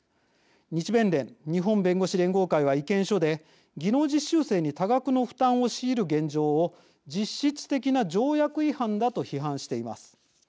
日弁連日本弁護士連合会は意見書で技能実習生に多額の負担を強いる現状を実質的な条約違反だと批判しています。